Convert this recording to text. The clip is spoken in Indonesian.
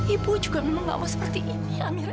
ibu juga memang gak mau seperti ini amira